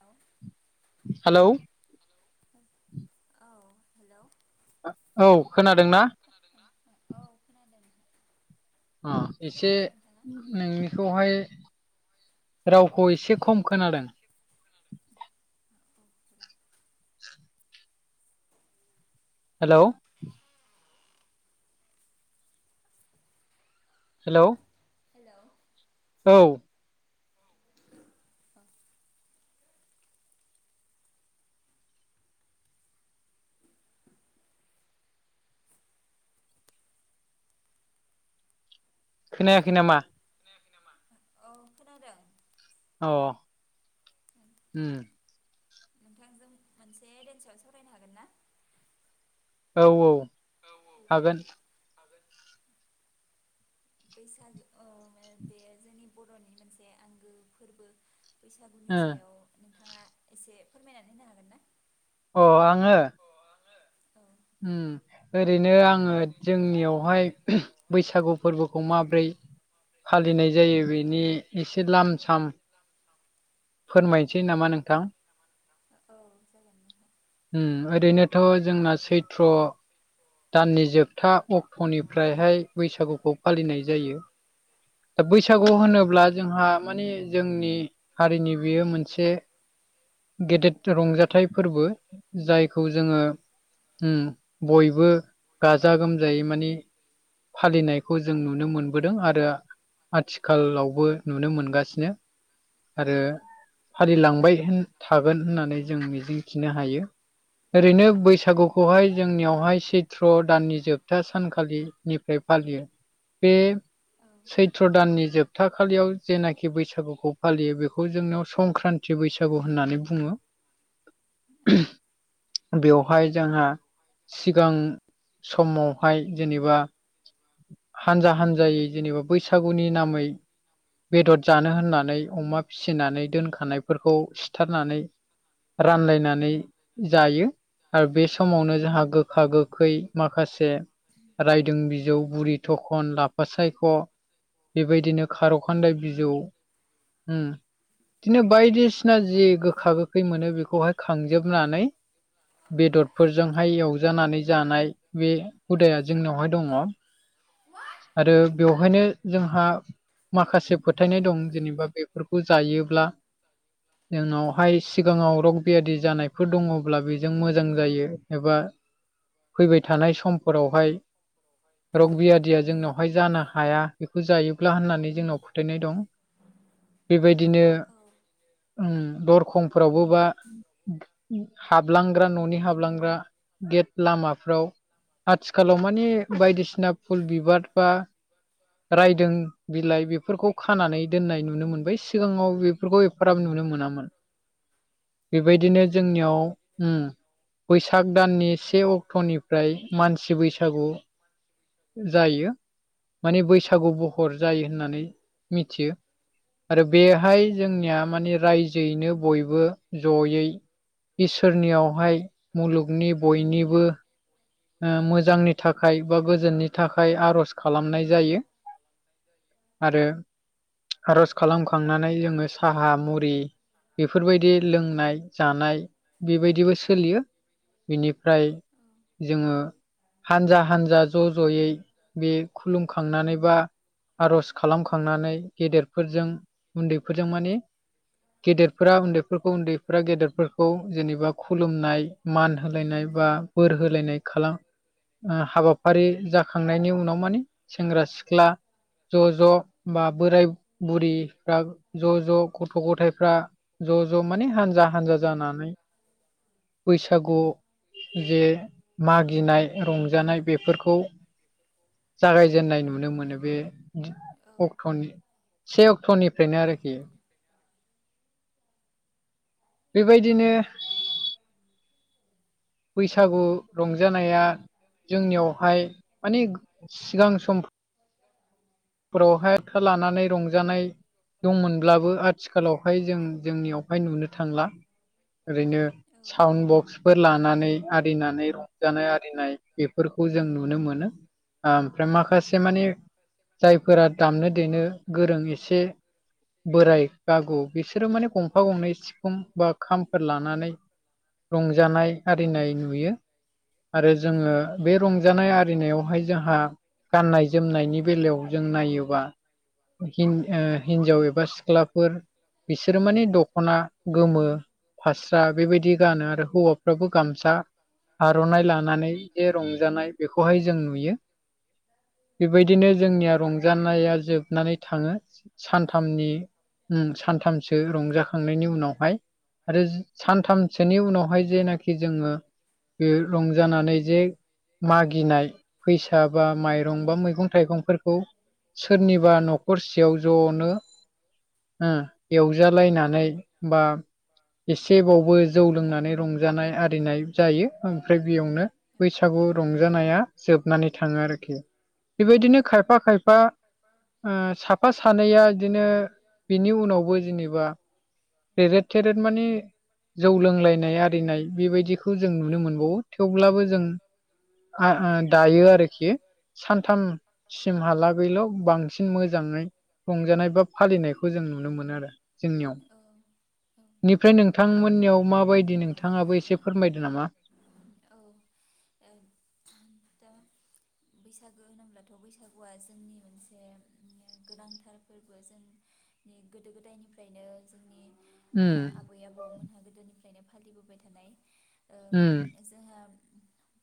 औ हेलौ ओ औ हेल' थां औ खोनादोंना? खोनादों ना? औ खोनादों। अ फ्रि दङ एसे ना नोंथाङा नोंनिखौहाय रावखौ एसे खम खोनादों [inaudible] हेलौ हेलौ। हेलौ औ। खोनायाखै नामा खोनायाखै नामा औ खोनादों। अ उम नोंथांजों मोनसे एगेन्सआव सावरायनो हागोन ना? औ औ हागोन। हागोन। बैसागो औ मे बे जोंनि बर'नि मोनसे आंगो फोरबो। बैसागुनि सायाव नोंथाङा एसे फोरमायनानै होनो हागोन ना? अ आङो औ। ओम ओरैनो आङो जोंनियावहाय बैसागु फोरबोखौ माब्रै फालिनाय जायो बेनि एसे लाम साम फोरमायसै नामा नोंथां औ जागोन नोंथां। ओम ओरैनोथ' जोंना सैथ्र दाननि जोबथा अक्ट'निफ्रायहाय बैसागुखौ फालिनाय जायो। दा औ बैसागु होनोब्ला जोंहा माने जोंनि हारिनि बेयो मोनसे गेदेद रंजाथाइ फोरबो जायखौ जोङो उम बयबो गाजा गोमजायै मानि फालिनायखौ जों नुनो मोनबोदों आरो आथिखालावबो नुनो मोनगासिनो आरो फालिलांबाय थागोन होननानै जों मिजिंथिनो हायो। ओरैनो बैसागुखौहाय जोंनियावहाय सैथ्र' दाननि जोबथा सानखालि निफ्राय फालियो बे औ। सैत्र' दाननि जोबथा खालियाव जेनाखि बैसागुखौ फालियो बेखौ जोंनियाव संक्रान्थि बैसागु होननानै बुङो औ बेवहाय जोंहा सिगां समावहाय जेनेबा हानजा हानजायै जेनेबा बैसागुनि नामै बेदर जानो होननानै अमा फिसिनानै दोनखानायफोरखौ सिथारनानै रानलायनानै जायो। आरो बे समावनो जोंहा गोखा गोखै माखासे रायदों बिजौ बुरि थखन लाफा सायख बेबायदिनो खार'खान्दाय बिजौ बिदिनो बायदिसिना जि गोखा गोखै मोनो बेखौहाय खांजोबनानै बेदरफोरजोंहाय एवजानानै जानाय बे हुदाया जोंनियावहाय दङ आरो बेवहायनो जोंहा माखासे फोथायनाय दं जेनेबा बेफोरखौ जायोब्ला जोंनावहाय सिगाङाव रग बियादि जानायफोर दङब्ला बेजों मोजां जायो एबा फैबाय थानाय समफोरावहाय रग बियादिया जोंनाव हाय जानो हाया बेखौ जायोब्ला होननानै जोंनाव फोथायनाय दं बेबायदिनो औ। दरखंफोरावबो बा हाबलांग्रा न'नि हाबलांग्रा गेट लामाफ्राव आथिखालाव मानि बायदिसिना फुल बिबार बा रायदों बिलाइ बेफोरखौ खानानै दोननाय नुनो मोनबाय सिगाङाव बेफोरखौ फोराबो नुनो मोनामोन बेबायदिनो जोंनिया जोंनियाव ओम बैसाग दाननि से अक्ट'निफ्राय मानसि बैसागु जायो। माने बैसागु बहर जायो होननानै मिथियो आरो बेहाय जोंनिया जेयैनो बयबो जयै इसोरनियावहाय मुलुगनि बयनिबो ओ मोजांनि थाखाय बा गोजोननि थाखाय आर'ज खालामनाय जायो। आरो आर'ज खालामखांनानै जोङो साहा मुरि बेफोरबायदि लोंनाय जानाय बेबायदिबो सोलियो बिनिफ्राय औ। जोङो हानजा हानजा ज'ज'यै बे खुलुमखांनानै बा आर'ज खालामखांनानै गेदेरफोरजों उन्दैफोरजों माने गेदेरफोरा उन्दैफोरखौ उन्दैफोरा गेदेरफोरखौ जेनेबा खुलुमनाय मान होलायनाय बा बोर होलायनाय खालाम ओ हाबाफारि जाखांनायनि उनाव मानि सेंग्रा सिख्ला ज' ज' बा बोराय बुरिफ्रा ज' ज' गथ' गथाइफ्रा ज' ज' माने हानजा हानजा जानानै बैसागु जे मागिनाय रंजानाय बेफोरखौ जागायजेननाय नुनो मोनो बे अक्ट'नि से अक्ट'निफ्रायनो आरोखि। बेबायदिनो बैसागु रंजानाया जोंनियावहाय माने सिगां सम फोरावहाय खो लानानै रंजानाय दंमोनब्लाबो आथिखालावहाय जों जोंनियावहाय नुनो थांला ओरैनो सउन बक्स फोर लानानै आरिनानै रंजानाय आरिनाय बेफोरखौ जों नुनो मोनो। ओ ओमफ्राय माखासे माने जायफोरा दामनो देनो गोरों एसे बोराइ गागु बिसोरो माने गंफा गंनै सिफुं बा खामफोर लानानै रंजानाय आरिनाय नुयो। आरो जोङो बे रंजानाय आरिनायावहाय जोंहा गाननाय जोमनायनि बेलायाव जों नायोबा हिन ओ हिनजाव एबा सिख्लाफोर बिसोरो माने दख'ना गोमो फास्रा बेबायदि गानो आरो हौवाफ्राबो गामसा आर'नाइ लानानै जे रंजानाय बेखौहाय जों नुयो। बेबायदिनो जोंनिया रंजानाया जोबनानै थाङो सानथामनि ओम सानथामसो रंजाखांनायनि उनावहाय आरो जोंनि सानथामसोनि उनावहाय जेनाखि जोङो बे रंजानानै जे मागिनाय फैसा बा माइरं बा मैगं थाइगंफोरखौ बेबायदिनो सोरनिबा न'खरसेयाव ज'नो ओम एवजालायनानै बा एसेबावबो जौ लोंनानै रंजानाय आरिनाय जायो ओमफ्राय बेयावनो बैसागु रंजानाया जोबनानै थाङो आरोखि। बेबायदिनो औ खायफा खायफा [inaudible] ओ साफा सानैया बिदिनो बेनि उनावबो जेनेबा रेरेट थेदरेट मानि जौ लोंलायनाय आरिनाय बेबायदिखौ जों नुनो मोनबावो थेवब्लाबो जों दायो आरोखि सानथामसिमहाला बेल' बांसिन मोजाङै रंजानाय बा फालिनायखौ जों नुनो मोनो आरो। जोंनियाव ओ निफ्राय नोंथांमोननियाव माबायदि नोंथाङाबो एसे फोरमायदो नामा। औ ओ दा बैसागो होनोब्लाथ' बैसागुआ जोंनि मोनसे गोनांथार फोरबो जों नि गोदो गोदायनिफ्रायनो जोंनि ओ उम आबै आबौमोनहा गोदोनिफ्रायनो फालिबोबाय थानाय ओं। उम जोंहा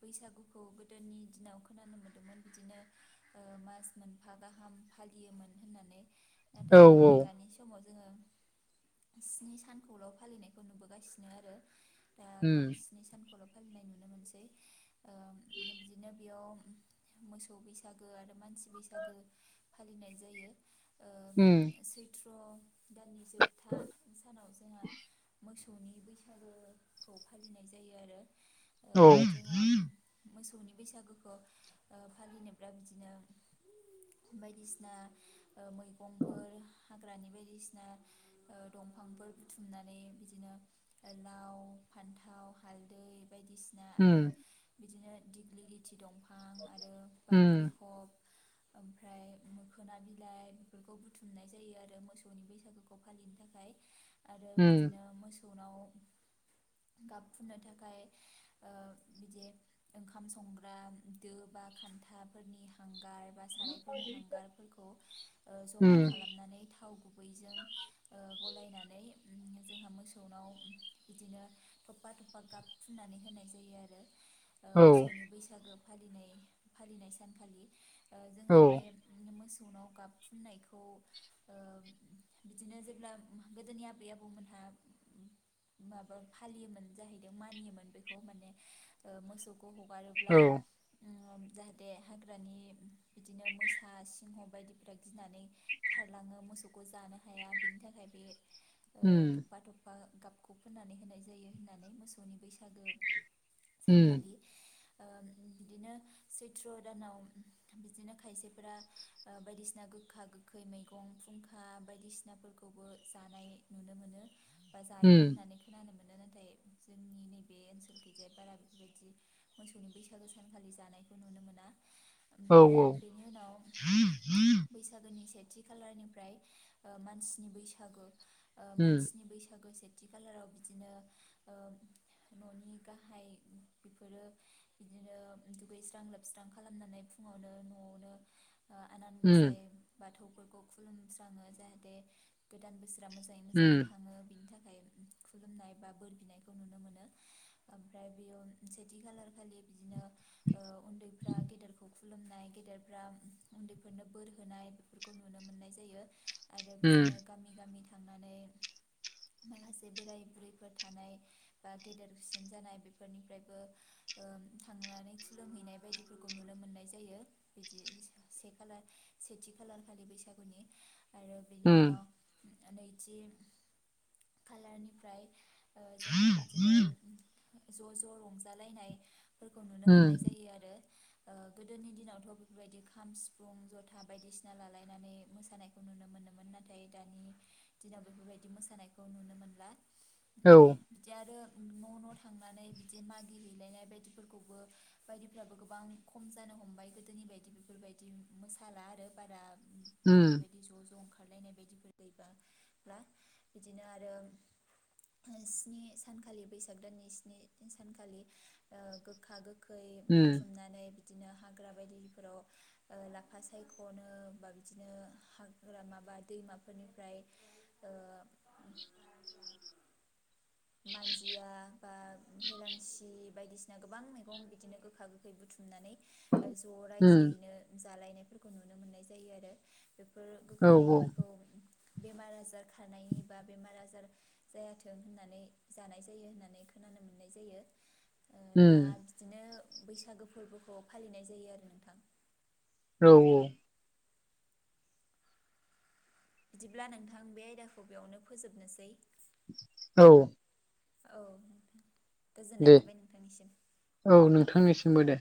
बैसागुखौ गोदोनि दिनाव खोनानो मोन मोन बिदिनो ओ मास मोनफा गाहाम फालियोमोन होननानै औ नाथाय औ दानि समाव जोङो स्नि सानखौल' फालिनायखौ नुबोगासिनो आरो दा उम स्नि सानखौल' फालिनाय नुनो मोनसै ओ बिदिनो बेयाव मोसौ बैसागो आरो मानसि बैसागो फालिनाय जायो। ओ उम सैथ्र' दाननि जोबथा सानाव जोंहा मोसौ मोसौनि बैसागोखौ फालिनाय जायो आरो ओ औ जोंहा मोसौनि बैसागुखौ ओ फालिनोब्ला बिदिनो बायदिसिना ओ मैगंफोर हाग्रानि बायदिसिना ओ दंफांफोर बुथुमनानै बिदिनो लाव फान्थाव हालदै बायदिसिना बायदिसिना आरो उम बिदिनो दिग्लि लिथि दंफां आरो उम बाख्रिखब ओमफ्राय मोखोना बिलाइ बेफोरखौ बुथुमनाय जायो आरो मोसौनि बैसागु खौ फालिनो थाखाय आरो उम बिदिनो मोसौनाव गाब फुननो थाखाय ओ बिदि ओंखाम संग्रा दो बा खान्थाफोरनि हांगार बा सारायफोरनि हांगारफोरखौ ओ जमा उम खालामनानै थाव गुबै जों गलायनानै ओम जोंहा मोसौनाव बिदिनो थफा थफा गाब फुननानै होनाय जायो आरो। ओ औ मोसौनि बैसागु फालिनाय फालिनाय सानखालि ओ औ जोंहा बे बिनो मोसौनाव गाब फुननायखौ ओ बिदिनो जेब्ला गोदोनि आबै आबौमोनहा माबा फालियोमोन जाहैदों मानियोमोन बेखौ माने ओ मोसौखौ हगार ब्ला औ ओम जाहाथे हाग्रानि बिदिनो मोसा सिंह बायदिफोरा गिनानै खारलाङो मोसौखौ जानो हाया बिनि थाखाय बे ओ उम थफा थफा गाबखौ फोननानै होनाय जायो होननानै मोसौनि बैसागो उम सानखालि ओ बिदिनो सैथ्र' दानाव बिदिनो खायसेफोरा ओ बायदिसिना गोखा गो खै मैगं फुंखा बायदिसिनाफोरखौबो जानाय नुनो मोनो। बा जायो उम होननानै खोनानो मोनो नाथाय जोंनि नैबे ओनसोल गैजाय बारा बेबायदि मोसौनि बैसागो सानखालि जानाय खौ नुनो मोना औ ओमफ्राय बेनि उनाव बैसागोनि सेथि कलारनिफ्राय ओ मानसिनि बैसागो ओ उम मानसिनि बैसागोसे थि खालाराव बिदिनो न'नि गाहाय बेफोरो बिदिनो दुगैस्रां लोबस्रां खालामनानै फुङावनो न'आवनो आनान उम गसाय बाथौफोरखौ खुलुमस्राङो जाहाथे गोदान बोसोरा मोजाङै मोजाङै उम थाङो बिनि थाखाय खुलुमनाय बा बोर बिनायखौ नुनो मोनो ओमफ्राय बेयाव सेथि खालार खालि बिदिनो उन्दैफ्रा गेदेरखौ खुलुमनाय गेदेरफ्रा उन्दैफोरनो बोर होनाय बेफोरखौ नुनो मोननाय जायो आरो उम बिदिनो गामि गामि थांनानै माखासे बोराय बुरैफोर थानाय बा गेदेरसिन जानाय बेफोरनिफ्रायबो ओ थांनानै खुलुमहैनाय बायदिफोरखौ नुनो मोननाय जायो। बिदि से खालार सेथि खालार खालि बैसागुनि आरो बेनि उम उनाव नैथि खालारनिफ्राय ओ जोंहा बिदिनो ज' ज' रंजालायनायफोरखौ नुनो उम मोननाय फैयो आरो ओ गोदोनि दिनावथ' बेफोरबायदि खाम सिफुं जथा बायदिसिना लालायनानै मोसानाय खौ नुनो मोनोमोन नाथाय दानि दिनाव बेफोरबायदि मोसानायखौ नुनो मोनला। औ बिदि आरो न' न' थांनानै बिदि मागि हैैलायनाय बायदिफोरखौबो बायदिफ्राबो गोबां खम जानो हमबाय गोदोनि बायदि बेफोरबायदि मोसाला आरो बारा उम बेफोरबायदि ज' ज' ओंखारलायनाय बायदिफोर गैब्ला बिदिनो आरो स्नि सानखालि बैसाग दाननि स्नि सानखालि गोखा गोखा खै उम बुथुमनानै बिदिनो हाग्रा बायदिफोराव लाफा सायख'नो बा बिदिनो माबा दैमाफोरनिफ्राय ओ मानजिया बा हेलांसि बायदिसिना गोबां मैगं बिदिनो गोखा गोखै बुथुम हुमनानै ज' उम रायजोयैनो जालायनायफोरखौ नुनो मोननाय जायो आरो बेफोर गोखा औ औ गोखैखौ बेमार आजार खारानाय बा बेमार आजार जायाथों होननानै जानाय जायो होननानै खोनानो मोननाय जायो दा उम बिदिनो बैसागो फोरबोखौ फालिनाय जायो आरो नोंथां औ औ बिदिब्ला नोंथां बे आयदाखौ बेयावनो फोजोबनोसै औ औ नोंथां गोजोननाय दे थाबाय नोंथांनिसिम औ नोंथांनिसिमबो दे